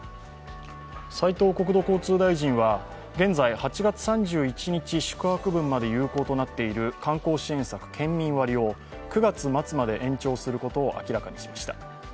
斉藤国土交通大臣は、現在、８月３１日宿泊分まで有効となっている観光支援策県民割を９月末まで延長することを明らかにしました。